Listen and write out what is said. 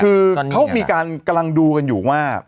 คือเขามีการกำลังดูกันอยู่ว่า